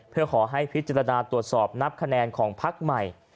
เพื่อขอให้พิจารณาตรวจสอบนับคะแนนของพักใหม่